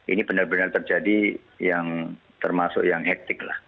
ini benar benar terjadi yang termasuk yang hektik lah